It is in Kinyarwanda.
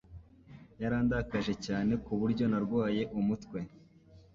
Yarandakaje cyane ku buryo narwaye umutwe.